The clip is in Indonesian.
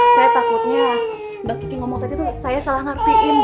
saya takutnya mbak kiki ngomong tadi tuh saya salah ngertiin